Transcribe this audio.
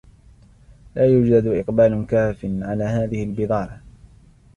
لا يوجد إقبال كافٍ على هذه البضاعة.